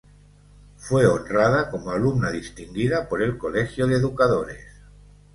Fue honrada como Alumna Distinguida por el Colegio de Educadores.